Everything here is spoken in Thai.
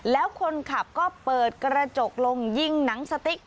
แล้วคนขับก็เปิดกระจกลงยิงหนังสติ๊ก